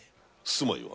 住まいは？